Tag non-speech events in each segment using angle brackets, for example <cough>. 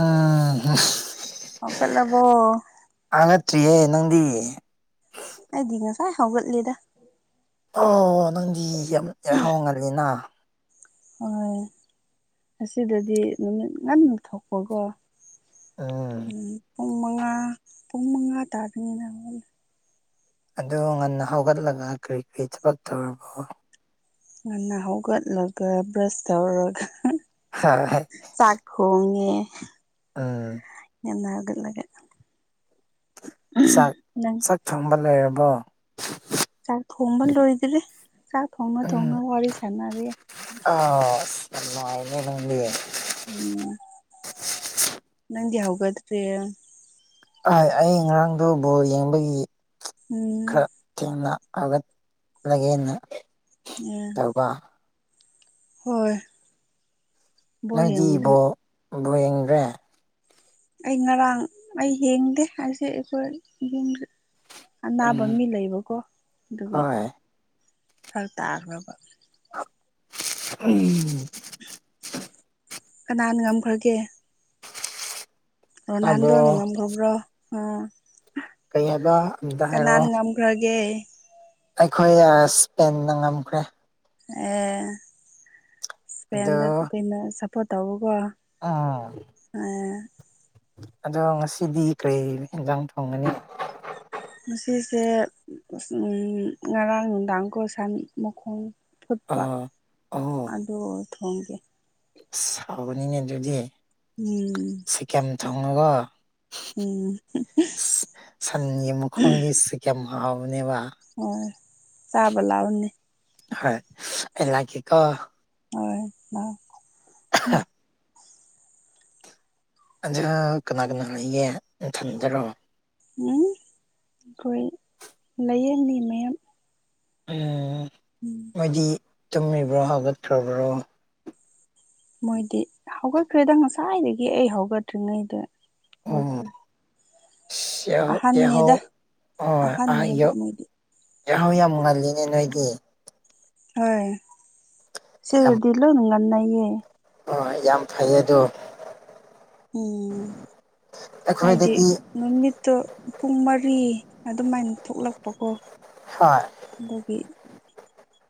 ꯑꯥ ꯑꯁ <unintelligible> ꯍꯧꯒꯠꯂꯕꯣ ꯍꯧꯒꯠꯇ꯭ꯔꯤꯌꯦ ꯅꯪꯗꯤ ꯑꯩꯗꯤ ꯉꯁꯥꯏ ꯍꯧꯒꯠꯂꯦꯗ ꯑꯣ ꯅꯪꯗꯤ ꯌꯥꯝ ꯌꯥꯍꯥꯎ ꯉꯜꯂꯤꯅ ꯍꯣꯏ ꯑꯁꯤꯗꯗꯤ ꯅꯨꯃꯤꯠ ꯉꯟꯅ ꯊꯣꯛꯄꯀꯣ ꯎꯝ ꯄꯨꯡ ꯃꯉꯥ ꯄꯨꯡ ꯃꯉꯥ ꯇꯥꯗꯔꯤ ꯉꯩꯗ ꯉꯥꯡꯅ ꯑꯗꯣ ꯉꯟꯅ ꯍꯧꯒꯠꯂꯒ ꯀꯔꯤ ꯀꯔꯤ ꯊꯕꯛ ꯇꯧꯔꯕꯣ ꯉꯟꯅ ꯍꯧꯒꯠꯂꯒ ꯕ꯭ꯔꯁ ꯇꯧꯔꯒ ꯍ ꯍꯥ ꯆꯥꯛ <unintelligible> ꯊꯣꯡꯉꯦ ꯎꯝ ꯉꯟꯅ ꯍꯧꯒꯠꯂꯒ ꯆꯥꯛ ꯅꯪ ꯆꯥꯛ ꯊꯣꯡꯕ ꯂꯣꯏꯔꯕꯣ ꯆꯥꯛ ꯊꯣꯡꯕ ꯂꯣꯏꯗ꯭ꯔꯤ ꯆꯥꯛ ꯊꯣꯡꯅ ꯊꯣꯡꯅ ꯋꯥꯔꯤ ꯁꯥꯟꯅꯔꯦ ꯑꯁ ꯌꯥꯝ ꯅꯨꯡꯉꯥꯏꯅꯦ ꯅꯪꯗꯤ ꯎꯝ ꯅꯪꯗꯤ ꯍꯧꯒꯠꯇꯔꯤ ꯑꯩ ꯉꯔꯥꯡꯗꯨ ꯕꯣꯜ ꯌꯦꯡꯕꯒꯤ ꯎꯝ ꯈꯔ ꯊꯦꯡꯅ ꯍꯧꯒꯠꯂꯒꯦꯅ ꯌꯥ ꯋꯥ ꯍꯣꯏ ꯕꯣꯜ ꯅꯣꯏꯗꯤ ꯌꯦꯡꯕꯗꯤ ꯕꯣꯜ ꯕꯣꯜ ꯌꯦꯡꯗ꯭ꯔꯦ ꯑꯩ ꯉꯔꯥꯡ ꯑꯩ ꯌꯦꯡꯗꯦ ꯍꯥꯏꯁꯦ ꯑꯩꯈꯣꯏ ꯑꯅꯥꯕ ꯎꯝ ꯃꯤ ꯂꯩꯕꯀꯣ ꯑꯗꯨꯒꯤ ꯍꯣꯏ ꯐꯔꯛ ꯇꯥꯈ꯭ꯔꯕ ꯎꯝ ꯀꯅꯥꯅ ꯉꯝꯈ꯭ꯔꯒꯦ ꯇꯥꯕ꯭ꯔꯣ ꯔꯣꯅꯥꯜꯗꯣꯅ ꯉꯝꯈꯔꯕ꯭ꯔꯣ ꯑꯣ ꯀꯩ ꯍꯥꯏꯕ ꯑꯝꯇ ꯍꯥꯏꯔꯛꯑꫭ ꯄꯔꯒꯦ ꯑꯩꯈꯣꯏ ꯏꯁꯄꯦꯟꯅ ꯉꯝꯈ꯭ꯔꯦ ꯑꯦ ꯑꯗꯣ ꯏꯁꯄꯦꯟꯗ ꯀꯩꯅꯣ ꯁꯞꯄ ꯁꯞꯄꯣꯠ ꯇꯧꯕ ꯎꯝ ꯀꫭ ꯑꯗꯣ ꯉꯁꯤꯗꯤ ꯀꯩ ꯌꯦꯟꯖꯥꯡ ꯊꯣꯡꯒꯅꯤ ꯉꯁꯤꯁꯦ ꯉꯔꯥꯡ ꯅꯨꯡꯗꯥꯡꯀꯣ ꯁꯟ ꯃꯈꯣꯡ ꯐꯨꯠꯄ ꯑꯣ ꯑꯗꯨ ꯊꯣꯡꯒꯦ ꯑꯁ ꯍꯥꯎꯕꯅꯤꯅꯦ ꯑꯗꯨꯗꯤ ꯎꯝ ꯆꯥꯒꯦꯝ ꯊꯣꯡꯉꯨꯒꫭ ꯎꯝ ꯁꯟꯒꯤ ꯃꯈꯣꯡꯗꯤ ꯆꯥꯒꯦꯝ ꯍꯥꯎꯕꯅꯦꯕ ꯍꯣꯏ ꯆꯥꯕ ꯂꯥꯛꯑꯣꯅꯤ ꯍꯣꯏ ꯑꯩ ꯂꯥꯛꯀꯦꯀꯣ ꯍꯣꯏ ꯂꯥꯛꯑꯣ <unintelligible> ꯑꯗꯣ ꯀꯅꯥ ꯀꯅꯥ ꯂꯩꯒꯦ ꯅꯊꯟꯗꯔꯣ ꯎꯝ ꯑꯩꯈꯣꯏ ꯂꯩꯥꯌꯦ ꯃꯤ ꯃꯌꯥꯝ ꯑꯦ ꯎꯝ ꯃꯣꯏꯗꯤ ꯇꯨꯝꯃꯤꯕ꯭ꯔꯣ ꯍꯥꯒꯠꯇ꯭ꯔꯕ꯭ꯔꯣ ꯃꯣꯏꯗꯤ ꯍꯧꯒꯠꯈ꯭ꯔꯦꯗ ꯉꯁꯥꯏꯗꯒꯤ ꯑꯩ ꯍꯧꯒꯠꯇ꯭ꯔꯤꯉꯩꯗ ꯍꯧꯒꯠꯈ꯭ꯔꯦ ꯍ ꯆꯍꯥꯎ ꯑꯍꯟꯅꯦꯗ ꯍ ꯑꯍ ꯑꯍꯟꯅꯦꯕ ꯌ ꯃꯣꯏꯗꯤ ꯆꯍꯥꯎ ꯌꯥꯝ ꯉꯜꯂꯤꯅꯦ ꯅꯣꯏꯗꯤ ꯍꯣꯏ ꯁꯤ ꯗꯂꯣ ꯅꯪ ꯉꯥꯟꯅꯌꯦ ꯍ ꯌꯥꯝ ꯐꯩ ꯑꯗꯣ ꯎꯝ ꯍꯥꯏꯗꯤ ꯑꯩꯈꯣꯏꯗꯗꯤ ꯅꯨꯃꯤꯠꯇꯣ ꯄꯨꯡ ꯃꯔꯤ ꯑꯗꯨꯃꯥꯏꯅ ꯊꯣꯛꯂꯛꯄꯀꯣ ꯍꯣꯏ ꯑꯗꯨꯒꯤ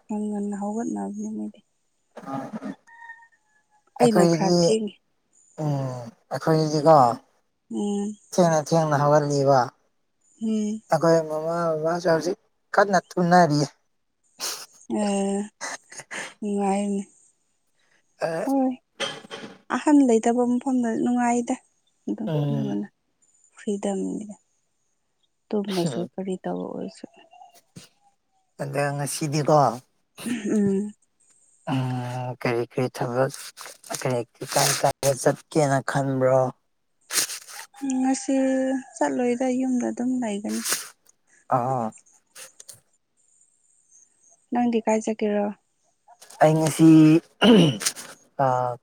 ꯌꯥꯝ ꯉꯟꯅ ꯍꯧꯒꯠꯅꯕꯅꯦ ꯃꯣꯏꯗꯤ ꯑꯩꯅ ꯈꯔ ꯑꯩꯈꯣꯏꯗꯤ ꯊꯦꯡꯉꯦ ꯎꯝ ꯑꯩꯈꯣꯏꯗꯤꯀꯣ ꯎꯝ ꯊꯦꯡꯅ ꯊꯦꯡꯅ ꯍꯧꯍꯜꯂꯤꯕ ꯎꯝ ꯑꯩꯈꯣꯏ ꯃꯃꯥ ꯕꯕꯥꯁꯨ ꯍꯧꯖꯤꯛ ꯀꯟꯅ ꯇꯨꯝꯅꯔꯤꯌꯦ ꯑ ꯅꯨꯡꯉꯥꯏꯅꯦ ꯑ ꯑꯍꯟ ꯂꯩꯇꯕ ꯃꯐꯝꯗ ꯅꯨꯡꯉꯥꯏꯗ ꯑꯗꯨꯝ ꯎꯝ ꯑꯗꯨꯃꯅ ꯐ꯭ꯔꯤꯗꯝ ꯇꯃꯁꯨ ꯀꯔꯤ ꯇꯕ ꯑꯣꯏꯁꯨ ꯑꯦꯗ ꯁꯤꯗꯤꯗꯣ ꯎꯝ ꯎꯝ ꯀꯔꯤ ꯀꯔꯤ ꯊꯕꯛ ꯀ ꯀꯥꯏ ꯀꯥꯏꯗ ꯆꯠꯀꯦꯅ ꯈꯟꯕ꯭ꯔꯣ ꯉꯁꯤ ꯆꯠꯂꯣꯏꯗ ꯌꯨꯝꯗ ꯑꯗꯨꯝ ꯂꯩꯒꯅꯤ ꯑꯥ ꯅꯪꯗꯤ ꯀꯥꯏꯆꯠꯀꯦꯔꯣ ꯑꯩ ꯉꯁꯤ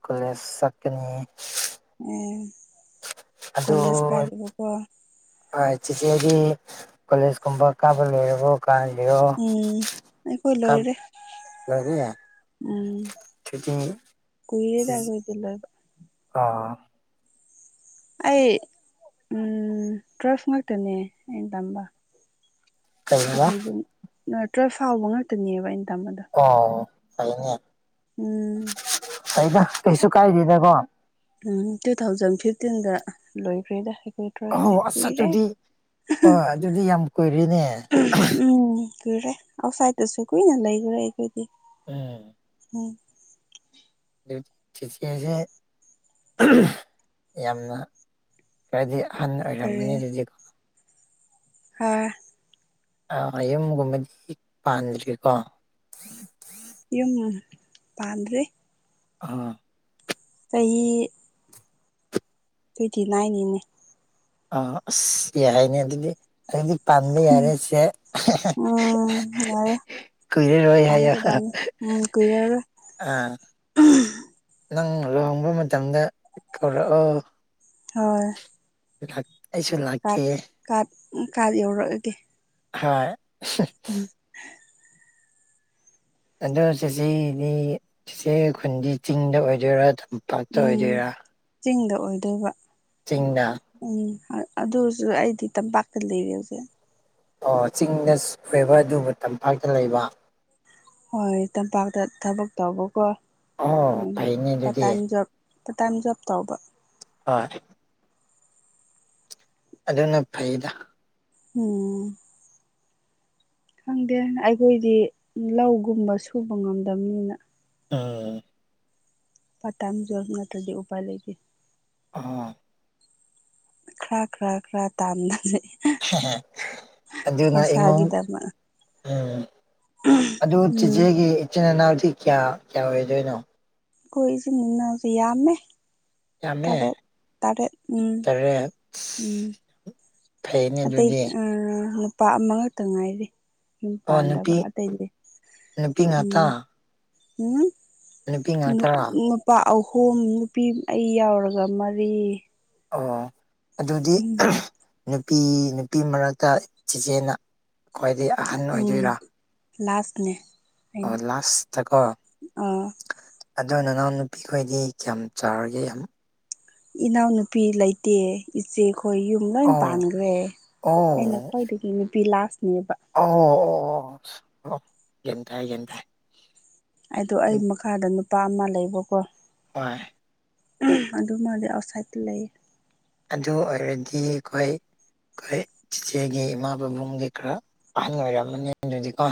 ꯀꯣꯂꯦꯖ ꯆꯠꯀꯅꯤ ꯎꯝ ꯀꯣꯂꯦꯖ ꯑꯗꯣ ꯀꯥꯔꯤꯕꯀꯣ ꯁꯤꯆꯤꯆꯦꯗꯤ ꯀꯣꯂꯦꯖ ꯀꯨꯝꯕ ꯀꯥꯕ ꯂꯩꯔꯒ ꯀꯥ ꯎꯝ ꯑꯩꯈꯣꯏ ꯀ ꯂꯣꯏꯔꯦ ꯂꯒꯦ ꯎꯝ ꯀꯨꯏꯔꯦꯗꯂꯣꯏꯕ ꯂ ꯑꯣ ꯑꯩ ꯎ ꯇ꯭ꯔꯁ ꯉꯥꯛꯇꯅꯦ ꯑꯩꯅ ꯇꯝꯕ ꯇꯨ ꯀꯩꯅꯣ ꯊꯥꯎꯖꯟ ꯇ꯭ꯋꯦꯜꯐ ꯐꯥꯎꯕ ꯉꯥꯛꯇꯅꯦꯕ ꯏꯟꯇꯝꯃꯗ ꯑꯣ ꯐꯩꯅꯩ ꯎꯝ ꯀꯩꯗ ꯀꯩꯁꯨ ꯀꯥꯏꯔꯤꯗꯦꯗꯀꯣ ꯎꯝ ꯇꯨ ꯊꯥꯎꯖꯟ ꯐꯤꯐꯇꯤꯟꯗ ꯂꯣꯏꯈ꯭ꯔꯦꯗ ꯑꯩꯈꯣꯏ ꯑꯧ ꯑꯁ ꯀꯨꯏꯔꯦ ꯑꯗꯨꯗꯤ ꯍꯣꯏ ꯑꯗꯨꯗꯤ ꯌꯥꯝ ꯀꯨꯏꯔꯦꯅꯦ ꯎꯝ ꯀꯨꯏꯔꯦ ꯑꯥꯎꯠꯁꯥꯏꯠꯇꯁꯨ ꯀꯨꯏꯅ ꯂꯩꯈ꯭ꯔꯦ ꯑꯩꯈꯣꯏꯗꯤ ꯎꯝ ꯎꯝ ꯌꯨꯇꯤ ꯆꯤꯆꯁꯦ ꯌꯥꯝꯅ ꯈꯔꯗꯤ ꯑꯍꯟꯅ ꯑꯣꯏꯔꯝꯃꯅꯤ ꯑꯗꯨꯗꯤꯀꯣ ꯑ ꯑ ꯌꯨꯝꯒꯨꯝꯕꯗꯤ ꯄꯥꯟꯗ꯭ꯔꯤꯀꯣ ꯌꯨꯝ ꯄꯥꯟꯗ꯭ꯔꯤ ꯑꯝ ꯆꯍꯤ ꯆꯍꯤ ꯇꯨ꯭ꯌꯦꯟꯇꯤ ꯅꯥꯟꯅꯦ ꯑ ꯑꯁ ꯌꯥꯏꯅꯦ ꯑꯗꯨꯗꯤ ꯑꯗꯨꯗꯤ ꯇꯝꯕ ꯌꯥꯔꯁꯦ ꯎꯝ ꯌꯥꯔꯦ ꯀꯨꯏꯔꯦ ꯔꯣꯏ ꯍꯥꯏ ꯌꯥ ꯄꯥꯟꯒꯗꯕꯅꯤ ꯎꯝ ꯀꯨꯏꯔꯔꯣꯏ ꯑꯥ ꯅꯪ ꯂꯨꯍꯣꯡꯕ ꯃꯇꯝꯗ ꯀꯧꯔꯛꯑꯣ ꯍ ꯑꯩꯁꯨ ꯂꯥꯛꯀꯦ ꯀꯥꯔꯗ ꯀꯥꯔꯗ ꯌꯧꯔꯛꯑꯒꯦ ꯍ ꯎꯝ ꯑꯗꯣ ꯆꯤꯆꯦꯗꯤ ꯆꯤꯆꯦ ꯈꯨꯟꯗꯤ ꯆꯤꯡꯗ ꯑꯣꯏꯗꯣꯏꯔꯥ ꯊꯝꯃ ꯎꯝ ꯆꯤꯡꯗ ꯑꯣꯏꯗꯣꯏꯕ ꯆꯤꯡꯅ ꯎꯝ ꯑꯗꯨꯁꯨ ꯑꯩꯗꯤ ꯇꯝꯄꯥꯛꯇ ꯂꯩꯔꯦ ꯍꯧꯖꯤꯛ ꯑꯣ ꯆꯤꯡꯗ ꯁꯋꯦꯕ ꯑꯗꯨꯕꯨ ꯇꯝꯄꯥꯛꯇ ꯂꯩꯕ ꯍꯣꯏ ꯇꯝꯄꯥꯛꯇ ꯊꯕꯛ ꯇꯧꯕꯀꯣꯝ ꯑꯣ ꯐꯩꯅꯦ ꯄꯥꯔꯠ ꯑꯗꯨꯗꯤ time job part time job ꯇꯧꯕ ꯍ ꯑꯗꯨꯅ ꯐꯩꯗ ꯎꯝ ꯈꯪꯗꯦ ꯑꯩꯈꯣꯏꯗꯤ ꯂꯧꯒꯨꯝꯕ ꯁꯨꯕ ꯉꯝꯗꯕꯅꯤꯅ ꯑꯥ ꯄꯇꯥꯝ ꯌꯣ ꯅꯠꯇ꯭ꯔꯗꯤ ꯎꯄꯥꯏ ꯂꯩꯒ ꯑꯥ ꯈꯔ ꯈꯔ ꯈꯔ ꯇꯥꯝꯅ ꯂꯩ ꯑꯗꯨꯅ ꯏꯃꯨꯡ ꯈꯣꯔꯁꯥꯒꯤꯗꯃꯛ ꯎꯝ ꯑꯗꯨ ꯎꯝ ꯆꯦꯆꯦꯒꯤ ꯏꯆꯤꯟꯜ ꯏꯅꯥꯎꯗꯤ ꯀꯌꯥ ꯀꯌꯥ ꯑꯣꯏꯗꯣꯏꯅꯣ ꯀꯣꯏꯁꯤ ꯅꯤꯡꯟꯅꯁꯤ ꯌꯥꯃꯦ ꯇꯔꯦ ꯌꯥꯝꯃꯦ ꯇꯔꯦ ꯎꯝ ꯇꯔꯦꯠ ꯎꯝ ꯑꯁ, ꯐꯩꯅꯦ ꯑꯇꯩ ꯑꯗꯨꯗꯤ ꯅꯨꯄꯥ ꯑꯃꯈꯛꯇ ꯉꯥꯏꯔꯤ ꯌꯨꯝ ꯑꯣ ꯄꯥꯟꯗꯕ ꯅꯨꯄꯤ ꯑꯇꯩꯗꯤ ꯅꯨꯄꯤ ꯉꯥꯛꯇ ꯎꯝ ꯎꯝ ꯅꯨꯄꯤ ꯉꯥꯛꯇꯔꯥ ꯅꯨꯄꯥ ꯑꯍꯨꯝ ꯅꯨꯄꯤ ꯑꯩ ꯌꯥꯎꯔꯒ ꯃꯔꯤ ꯑꯣ ꯑꯗꯨꯗꯤ ꯎꯝ ꯅꯨꯄꯤ ꯅꯨꯄꯤ ꯃꯔꯛꯇ ꯆꯦꯆꯦꯟꯅ ꯈ꯭ꯋꯥꯏꯗꯩ ꯎ ꯂꯥꯁꯅꯦ ꯑꯣ ꯑꯩꯅ ꯂꯥꯁ ꯊꯀꯣ ꯑꯥ ꯑꯗꯣ ꯅꯅꯥꯎ ꯅꯨꯄꯤꯈꯣꯏꯗꯤ ꯀꯌꯥꯝ ꯆꯥꯎꯔꯤꯒꯦ ꯌꯥꯝ ꯏꯅꯥꯎꯅꯨꯄꯤ ꯂꯩꯇꯦ ꯏꯆꯦꯈꯣꯏ ꯌꯨꯝ ꯂꯣꯏ ꯑꯣ ꯄꯥꯟꯈ꯭ꯔꯦ ꯑꯣ ꯑꯩꯅ ꯈ꯭ꯋꯥꯣꯏꯗꯒꯤ ꯅꯨꯄꯤ ꯂꯥꯁꯅꯦꯕ ꯑꯣ ꯑꯣ ꯑꯣ ꯑꯣ ꯟꯇꯑ ꯟꯇ ꯍꯥꯏꯗꯣ ꯑꯩ ꯃꯈꯥꯗ ꯅꯨꯄꯥ ꯑꯃ ꯂꯩꯕꯀꯣ ꯍꯣꯏ ꯑꯗꯨꯃꯗꯤ ꯑꯥꯎꯠꯁꯥꯏꯗꯠꯇ ꯂꯩ ꯑꯗꯨ ꯑꯣꯏꯔꯗꯤ ꯑꯩꯈꯣꯏ ꯑꯩꯈꯣꯏ ꯆꯤꯆꯦꯒꯤ ꯏꯃꯥ ꯄꯥꯕꯨꯡꯒꯤ ꯈꯔ ꯑꯍꯟ ꯑꯣꯏꯔꯝꯝꯕꯅꯤ ꯑꯗꯨꯗꯤꯀꯣ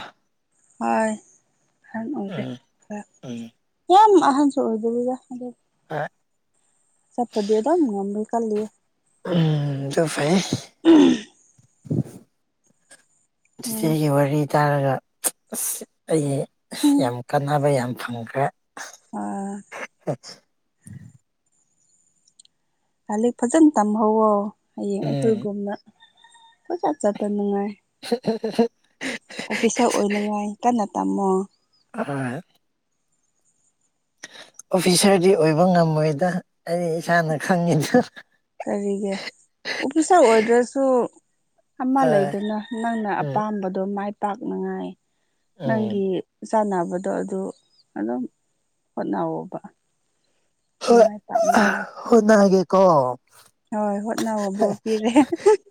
ꯍꯣꯏ ꯑꯍꯟ ꯎꯝ ꯑꯣꯏꯔꯦꯔ ꯎꯝ ꯌꯥꯝ ꯑꯍꯟꯁꯨ ꯑꯣꯏꯗꯕꯤꯗ ꯑꯗꯨ ꯑ ꯆꯠꯄꯗꯤ ꯇ ꯑꯃ ꯉ ꯀꯂꯦ ꯎꯝ ꯆꯐꯥꯏ ꯆꯒꯤ ꯋꯥꯔꯤ ꯍꯥꯏꯇꯥꯔꯒ ꯑ ꯑꯩꯒꯤ ꯎꯝ ꯌꯥꯝ ꯀꯥꯟꯅꯕ ꯌꯥꯝ ꯐꯪꯈ꯭ꯔꯦ ꯑꯣ ꯎ ꯂꯂꯤꯛ ꯐꯖꯅ ꯇꯝꯍꯧꯋꯣ ꯍꯌꯦꯡ ꯎꯝ ꯑꯩꯈꯣꯏꯒꯨꯝꯅ ꯐꯖ ꯆꯠꯇ ꯅꯨꯡꯉꯥꯏ ꯁꯦ ꯑꯣꯐꯤꯁꯥꯔ ꯑꯣꯏꯅꯉꯥꯏ ꯀꯟꯅ ꯇꯝꯃꯣ ꯑ ꯑꯣꯐꯤꯁꯥꯔꯗꯤ ꯑꯣꯏꯕ ꯉꯝꯃꯣꯏꯗ ꯑꯩ ꯏꯁꯥꯅ ꯈꯪꯉꯤꯗ ꯀꯔꯤꯒꯦ ꯑꯣꯐꯤꯁꯥꯔ ꯑꯣꯏꯗ꯭ꯔꯁꯨ ꯑꯃ ꯍꯣꯏ ꯂꯩꯗꯅ ꯅꯪꯅ ꯎꯝ ꯑꯄꯥꯝꯕꯗꯣ ꯃꯥꯏ ꯄꯥꯛꯅꯉꯥꯏ ꯎꯝ ꯅꯪꯒꯤ ꯆꯥꯟꯅꯕꯗꯣ ꯑꯗꯨ ꯑꯗꯨꯝ ꯍꯣꯠꯅꯋꯕ ꯍ ꯍꯅꯦ ꯀꯣ ꯍꯣꯏ ꯍꯣꯠꯅꯕꯕꯣꯔ ꯄꯤꯔꯦ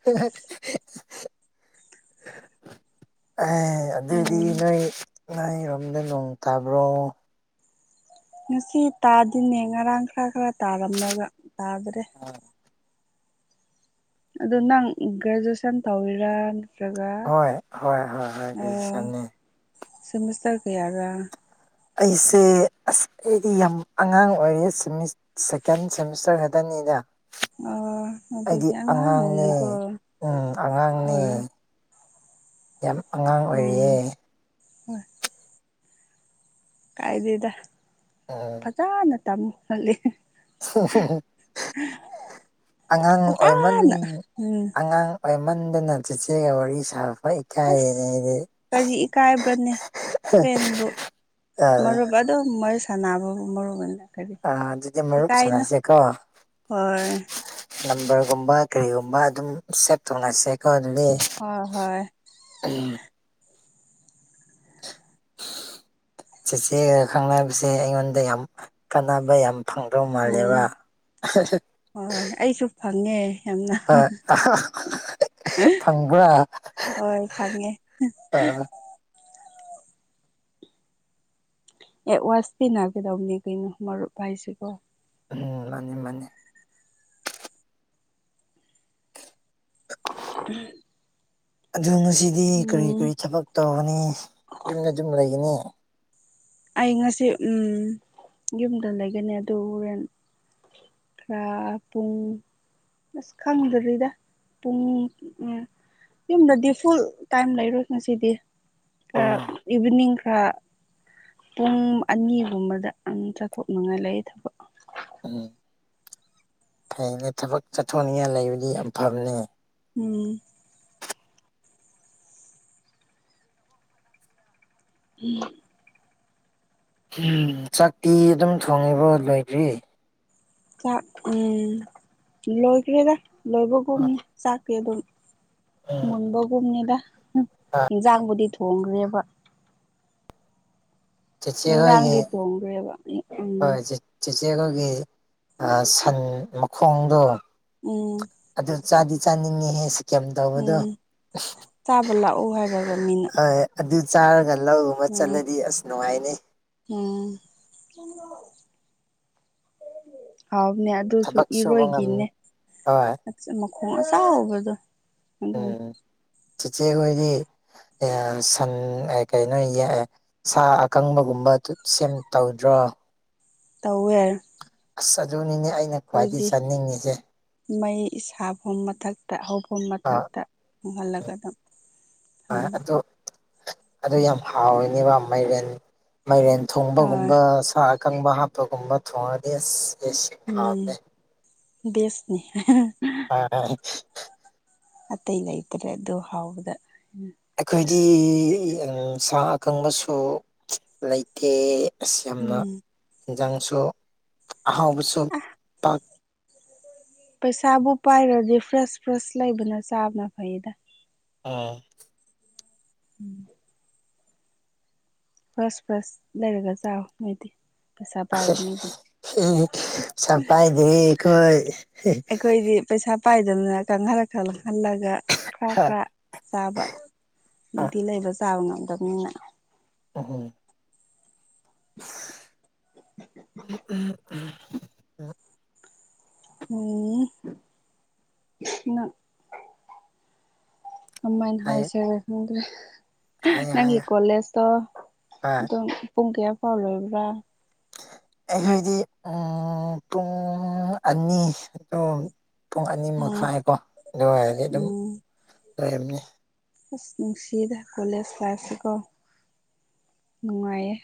<unintelligible> ꯑꯦ ꯑꯗꯨꯗꯤ ꯎꯝ ꯅꯣꯏ ꯅꯥꯏ ꯔꯝꯗꯅ ꯎ ꯇꯥꯕ꯭ꯔꯣ ꯉꯁꯤ ꯇꯥꯗꯤꯅꯦ ꯉꯔꯥꯡ ꯈꯔ ꯈꯔ ꯇꯥꯔꯝꯂꯒ ꯇꯥꯗ꯭ꯔꯦ ꯑꯥ ꯑꯗꯨ ꯅꯪ ꯒ꯭ꯔꯦꯖꯨꯑꯦꯁꯟ ꯇꯧꯋꯔꯥ ꯍꯣꯏ ꯍꯣꯏ ꯍꯣꯏ ꯍꯣꯏ ꯐꯖꯤ ꯆꯅꯤ ꯁꯤꯃꯤꯁꯇꯔ ꯀꯌꯥꯕ ꯑꯩꯁꯦ ꯑꯁ ꯑꯩꯗꯤ ꯌꯥꯝ ꯑꯉꯥꯡ ꯑꯣꯏꯔꯦ ꯁꯦꯀꯦꯟ ꯁꯦꯃꯤꯁꯇꯔ ꯍꯥꯏꯗꯅꯤꯗ ꯑꯣ ꯑꯩꯗꯤ ꯑꯗꯨꯗꯤ ꯑꯉꯥꯡ ꯑꯉꯥꯡꯅꯦ ꯑꯣꯏꯔꯤꯀꯣ ꯎꯝ ꯑꯉꯥꯡꯅꯦ ꯍꯣꯏ ꯌꯥꯝ ꯑꯉꯥꯡ ꯎꯝ ꯑꯣꯏꯔꯤꯌꯦꯅꯦ ꯍꯣꯏ ꯀꯥꯏꯗꯗ ꯑꯣ ꯐꯖꯅ ꯇꯝꯃꯍꯂ ꯑꯉꯥꯡ ꯑꯣꯏꯃꯟ ꯐꯖꯅ ꯎꯝ ꯑꯉꯥꯡ ꯄꯥꯏꯃꯟꯗꯅ ꯆꯦꯆꯦꯒ ꯋꯥꯔꯤ ꯁꯥꯕ ꯐꯩ ꯑꯁ ꯀꯔꯤ ꯏꯀꯥꯏꯕ꯭ꯔꯅꯦ ꯐꯦꯟꯕꯨ ꯑꯥ ꯃꯔꯨꯞ ꯣ ꯃꯣꯏ ꯁꯥꯟꯕꯨꯕ ꯃ ꯃ ꯑ ꯑꯗꯨꯗꯤ ꯃꯔꯨꯞ ꯁꯅꯁꯦꯀꯣ ꯍꯣꯏ ꯅꯝꯕꯔꯒꯨꯝꯕ ꯀꯔꯤꯒꯨꯝꯕ ꯑꯗꯨꯝ ꯁꯦꯚ ꯇꯧꯅꯁꯦꯀꯣ ꯑꯗꯨꯗꯤ ꯍꯣꯏ ꯍꯣꯏ ꯎꯝ ꯆꯆꯦꯒ ꯈꯪꯅꯕꯁꯦ ꯑꯩꯉꯣꯟꯗ ꯌꯥꯝ ꯀꯥꯟꯅꯕ ꯌꯥꯝ ꯐꯪꯗꯧ ꯃꯥꯜꯂꯦꯕ ꯍꯣꯏꯣꯏ ꯑꯩꯁꯨ ꯐꯪꯉꯦ ꯌꯥꯝꯅ ꯍꯣꯏ ꯐꯪꯕ꯭ꯔꯥ ꯍꯣꯏ ꯐꯪꯉꯦ ꯑꯥ ꯑꯦ ꯋꯥꯁꯇ ꯅꯅꯥꯒꯗꯥꯎꯅꯤ ꯀꯩꯅꯣ ꯃꯔꯔ ꯄꯥꯏꯁꯤꯀꯣ ꯎꯝ ꯃꯥꯅꯤ ꯃꯥꯅꯤ ꯑ ꯑꯗꯨ ꯉꯁꯤꯗꯤ ꯀꯔꯤ ꯀꯔꯤ ꯊꯕꯛ ꯇꯧꯒꯅꯤ ꯌꯨꯝꯗ ꯑꯗꯨꯝ ꯂꯩꯒꯅꯤ ꯑꯩ ꯉꯁꯤ ꯎꯝ ꯌꯨꯝꯗ ꯂꯩꯒꯅꯤ ꯑꯗꯨ ꯍꯣꯔꯦꯟ ꯈꯔꯥ ꯄꯨꯡ ꯑꯁ ꯈꯪꯗꯔꯤꯗ ꯄꯨꯡ ꯎꯝ ꯌꯨꯝꯗꯗꯤ ꯐꯨꯜ ꯇꯥꯏꯝ ꯂꯩꯔꯣꯏ ꯉꯁꯤꯗꯤ ꯈꯔ ꯑꯣ ꯏꯚꯤꯅꯤꯡ ꯈꯔ ꯄꯨꯡ ꯑꯅꯤꯒꯨꯝꯕꯗ ꯆꯠꯊꯣꯛꯅꯤꯡꯉꯥꯏ ꯂꯩ ꯊꯕꯛ ꯎꯝ ꯐꯩꯅꯦ ꯊꯕꯛ ꯆꯠꯊꯣꯛꯅꯤꯉꯥꯏ ꯂꯩꯕꯗꯤ ꯌꯥꯝ ꯐꯕꯅꯦ ꯎꯝ ꯎꯝ ꯎꯝ ꯆꯥꯛꯇꯤ ꯑꯗꯨꯝ ꯊꯣꯡꯉꯤꯕꯣ ꯂꯣꯏꯗ꯭ꯔꯤ ꯆꯥꯛ ꯎꯝ ꯂꯣꯏꯈ꯭ꯔꯦꯗ ꯂꯣꯏꯕꯒꯨꯝꯅꯤ ꯆꯥꯛꯇꯤ ꯑꯗꯨꯝ ꯎꯝ ꯃꯨꯟꯕꯒꯨꯝꯅꯤꯗ ꯏꯟꯖꯥꯡꯕꯨꯗꯤ ꯊꯣꯡꯈ꯭ꯔꯦꯕ ꯆꯦꯆꯦ ꯍꯣꯏꯒꯤ ꯍꯦꯟꯖꯥꯡꯗꯤ ꯊꯣꯡꯒ꯭ꯔꯦꯕ ꯍꯣꯏ ꯆꯦ ꯆꯦꯆꯦ ꯈꯣꯏꯒꯤ ꯑꯥ ꯁꯟ ꯃꯈꯣꯡꯗꯣ ꯎꯝ ꯑꯗꯨ ꯆꯥꯗꯤ ꯆꯥꯅꯤꯡꯉꯤꯍꯦ ꯀꯦꯝ ꯇꯧꯕꯗꯣ ꯎꯝ ꯆꯥꯕ ꯂꯥꯛꯑꯣ ꯍꯥꯏꯔꯒ ꯃꯤꯅ ꯑꯗꯨ ꯆꯥꯔꯒ ꯂꯧ ꯎꯕ ꯎꯝ ꯆꯠꯂꯗꯤ ꯑꯁ ꯅꯨꯡꯉꯥꯏꯅꯤ ꯎꯝ ꯍꯥꯎꯕꯅꯦ ꯑ ꯑꯗꯨꯁꯨ ꯊꯕꯛ ꯁꯨꯕ ꯉꯝ ꯏꯔꯣꯏꯒꯤꯅꯦ ꯍꯣꯏ ꯃꯈꯣꯡ ꯑꯆꯥꯎꯕꯗꯨ ꯑꯗꯨꯅꯤ ꯆꯦꯆꯦ ꯍꯣꯏꯗꯤ ꯁꯟ ꯀꯩꯅꯣ ꯁꯥ ꯑꯀꯪꯕꯒꯨꯝꯕ ꯗꯨ ꯁꯦꯝ ꯇꯧꯗ꯭ꯔꯣ ꯇꯧꯋꯦ ꯑꯁ ꯑꯗꯨꯅꯤꯅꯦ ꯑꯩꯅ ꯈ꯭ꯋꯥꯏꯗꯩ ꯑꯩꯈꯣꯏꯗꯤ ꯆꯥꯅꯤꯡꯉꯤꯁꯦ ꯃꯩ ꯁꯥꯐꯣꯝ ꯃꯊꯛ ꯇ ꯍꯧꯕ ꯃꯊꯛꯇ ꯏꯪꯍꯜꯂꯒꯗꯨꯝ ꯍꯣꯏ ꯊꯝꯕ ꯑꯗꯨ ꯑꯗꯨ ꯌꯥꯝ ꯍꯥꯎꯋꯤꯅꯦꯕ ꯃꯥꯏꯔꯦꯟ ꯃꯥꯏꯔꯦꯟ ꯊꯣꯡꯕꯒꯨꯝꯕ ꯁꯥ ꯀꯪꯕ ꯍꯥꯞꯄꯒꯨꯝꯕ ꯊꯣꯡꯉꯗꯤ ꯑꯁ ꯑꯦꯁ ꯌꯥꯝ ꯍꯥꯎꯕꯅꯦ ꯎꯝ ꯕꯦꯁꯅꯤ <inaudible> ꯑꯇꯩ ꯂꯩꯇ꯭ꯔꯦ ꯑꯗꯨ ꯍꯥꯎꯕꯗ ꯑꯩꯈꯣꯏꯗꯤ ꯏꯪ ꯁꯥ ꯑꯀꯪꯕꯁꯨ ꯂꯩꯇꯦ ꯏꯁ ꯌꯥꯝꯅ ꯎꯝ ꯌꯦꯟꯖꯥꯡꯁꯨ ꯑꯍꯥꯎꯕꯁꯨ ꯄꯥꯛ ꯄꯩꯁꯥꯕꯨ ꯄꯥꯏꯔꯗꯤ ꯐ꯭ꯔꯦꯁ ꯐ꯭ꯔꯦꯁ ꯂꯩꯕꯅ ꯆꯥꯕꯅ ꯐꯩꯗ ꯎꯝ ꯎꯝ ꯐ꯭ꯔꯁ ꯐ꯭ꯔꯁ ꯂꯩꯔꯒ ꯆꯥꯎ ꯅꯣꯏꯗꯤ ꯄꯩꯁꯥ ꯄꯥꯏꯕ ꯃꯤꯗꯤ ꯄꯩꯁꯥ ꯄꯥꯏꯗꯦ ꯈꯣꯏ ꯑꯩꯈꯣꯏꯗꯤ ꯄꯩꯁꯥ ꯄꯥꯏꯗꯕꯅ ꯀꯪꯍꯜꯂ ꯈꯪꯍꯜꯂꯒ ꯈ꯭ꯔ ꯍꯥ ꯈ꯭ꯔ ꯆꯥꯕ ꯅꯨꯡꯇꯤ ꯂꯩꯕ ꯆꯥꯕ ꯉꯝꯗꯕꯅꯤꯅ ꯎꯍꯨꯝ ꯎ ꯎꯝ <inaudible> ꯎꯝ <inaudible> ꯀꯃꯥꯏꯅ ꯍꯥꯏꯌꯣ ꯍꯥꯏꯁꯤꯔ ꯈꯪꯗꯦ ꯍꯥꯏꯌꯣ ꯅꯪꯒꯤ ꯍꯥꯏꯌꯣ ꯀꯣꯂꯦꯖꯇꯣ ꯍꯣꯏ ꯑꯗꯨꯝ ꯄꯨꯡ ꯀꯌꯥ ꯐꯥꯎ ꯂꯣꯏꯕ꯭ꯔꯥ ꯑꯩꯈꯣꯏꯗꯤ ꯎꯝ ꯄꯨꯡ ꯑꯅꯤ ꯗꯣ ꯄꯨꯡ ꯑꯅꯤ ꯑ ꯃꯈꯥꯏꯀꯣ ꯑꯗꯨ ꯑꯣꯏꯔꯗꯤ ꯑꯗꯨꯝ ꯎꯝ ꯂꯣꯏꯔꯝꯅꯤ ꯑꯁ ꯅꯨꯡꯁꯤꯗ ꯀꯣꯂꯦꯖ ꯂꯥꯏꯐꯁꯦꯀꯣ ꯅꯨꯡꯉꯥꯏꯌꯦ